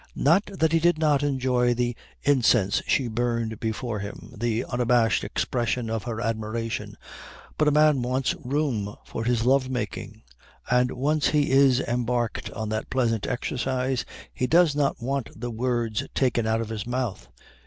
Not that he did not enjoy the incense she burned before him, the unabashed expression of her admiration, but a man wants room for his lovemaking, and once he is embarked on that pleasant exercise he does not want the words taken out of his mouth.